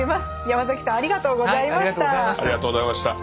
ヤマザキさんありがとうございました。